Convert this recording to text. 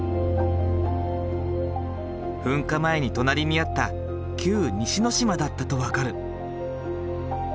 噴火前に隣りにあった旧・西之島だったと分かる。